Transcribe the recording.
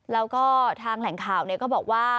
แล้วก็ทางแหล่งข่าวก็บอกว่า